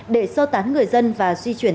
để sơ tán người dân và di chuyển